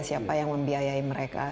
siapa yang membiayai mereka